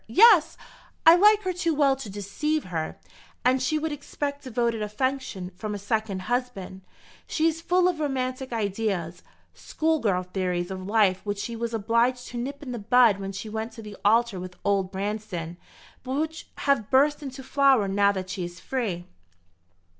Yes, I like her too well to deceive her. And she would expect devoted affection from a second husband. She is full of romantic ideas, school girl theories of life which she was obliged to nip in the bud when she went to the altar with old Branston, but which have burst into flower now that she is free."